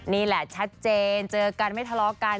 นี่แหละชัดเจนเจอกันไม่ทะเลาะกัน